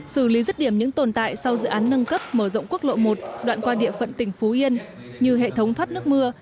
xử lý rứt điểm những tồn tại sau dự án nâng cấp mở rộng quốc lộ một đoạn qua địa phận tỉnh phú yên như hệ thống thoát nước mưa